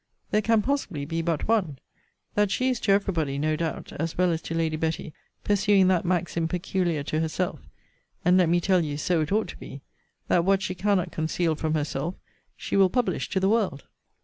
There can possibly be but one: That she is to every body, no doubt, as well as to Lady Betty, pursuing that maxim peculiar to herself, (and let me tell you so it ought to be:) that what she cannot conceal from herself, she will publish to the world.